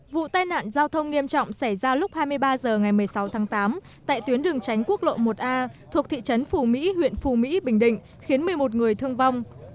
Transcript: vụ tai nạn giao thông nghiêm trọng xảy ra lúc hai mươi ba h ngày một mươi sáu tháng tám tại tuyến đường tránh quốc lộ một a thuộc thị trấn phù mỹ huyện phù mỹ bình định khiến một mươi một người thương vong